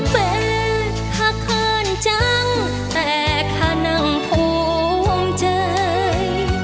เป็นข้าเขินจังแต่ข้านั่งภูมิใจ